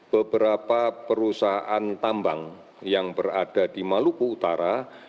beberapa perusahaan tambang yang berada di maluku utara